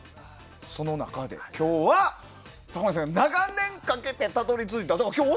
その中で今日は坂巻さんが長年かけてたどり着いたという。